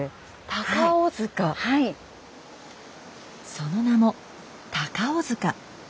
その名も高尾塚。